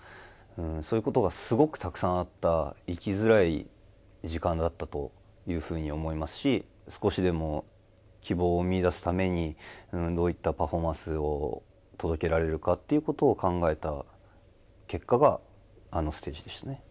そういうことがすごくたくさんあった生きづらい時間だったというふうに思いますし少しでも希望を見いだすためにどういったパフォーマンスを届けられるかっていうことを考えた結果があのステージでしたね。